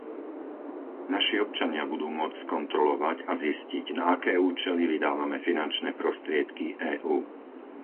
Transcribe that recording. Naši občania budú môcť skontrolovať a zistiť, na aké účely vydávame finančné prostriedky EÚ.